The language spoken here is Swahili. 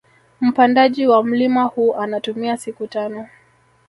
Mpandaji wa mlima huu anatumia siku tano